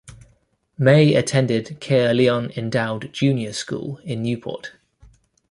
May attended Caerleon Endowed Junior School in Newport.